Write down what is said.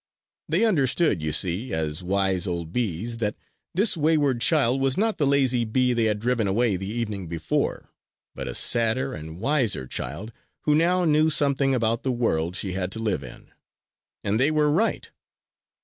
They understood, you see, as wise old bees, that this wayward child was not the lazy bee they had driven away the evening before, but a sadder and wiser child who now knew something about the world she had to live in. And they were right.